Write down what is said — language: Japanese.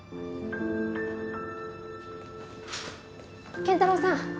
健太郎さん